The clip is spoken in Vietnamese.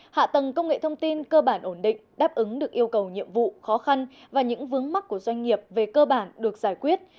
hạ tầng công nghệ thông tin cơ bản ổn định đáp ứng được yêu cầu nhiệm vụ khó khăn và những vướng mắt của doanh nghiệp về cơ bản được giải quyết